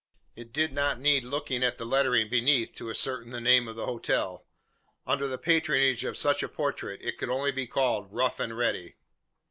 It did not need looking at the lettering beneath to ascertain the name of the hotel. Under the patronage of such a portrait it could only be called "Rough and Ready."